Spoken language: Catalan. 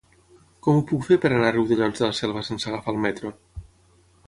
Com ho puc fer per anar a Riudellots de la Selva sense agafar el metro?